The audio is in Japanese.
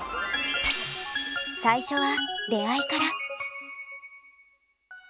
最初は出会いから。